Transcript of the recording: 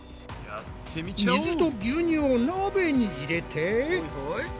水と牛乳を鍋に入れて。